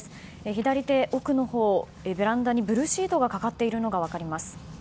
左手奥のほう、ベランダにブルーシートがかかっているのが分かります。